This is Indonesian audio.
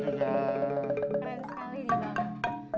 keren sekali ini bang